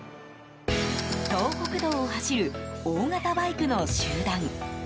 東北道を走る大型バイクの集団。